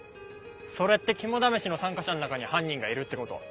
それって肝試しの参加者の中に犯人がいるってこと？